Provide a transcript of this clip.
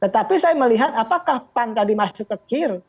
tetapi saya melihat apakah pan tadi masuk ke kin